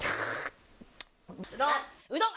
うどん。